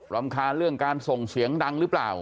รำคาญเรื่องการส่งเสียงดังหรือเปล่า